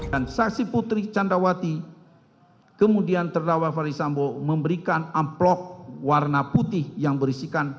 dan saksi putri candrawati kemudian terdakwa ferdi sambolah memberikan amplop warna putih yang berisikan